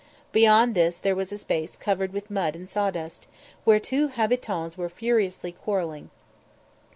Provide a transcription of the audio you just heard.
Beyond this there was a space covered with mud and sawdust, where two habitans were furiously quarrelling.